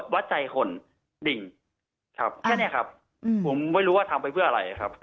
วัดใจคนดิ่งครับแค่เนี้ยครับผมไม่รู้ว่าทำไปเพื่ออะไรครับ